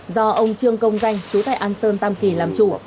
do ông trương công danh chú tại an sơn tam kỳ làm chủ